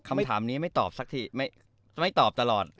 คำถามนี้ไม่ตอบสักทีไม่ตอบตลอด